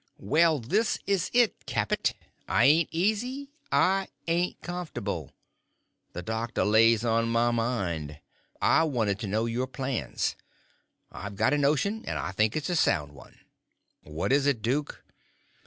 "Well, this is it, Capet. I ain't easy; I ain't comfortable. That doctor lays on my mind. I wanted to know your plans. I've got a notion, and I think it's a sound one." "What is it, duke?"